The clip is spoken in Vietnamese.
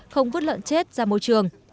không vứt lợn chết ra môi trường